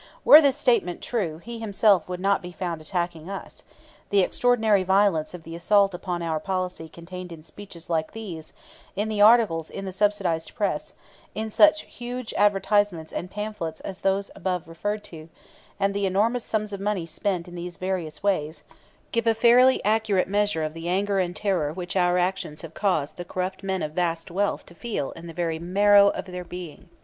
Were this statement true, he himself would not be found attacking us. The extraordinary violence of the assault upon our policy contained in speeches like these, in the articles in the subsidized press, in such huge advertisements and pamphlets as those above referred to, and the enormous sums of money spent in these various ways, give a fairly accurate measure of the anger and terror which our actions have caused the corrupt men of vast wealth to feel in the very marrow of their being.